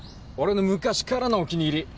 俺の昔からのお気に入り。